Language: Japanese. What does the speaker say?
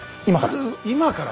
今から。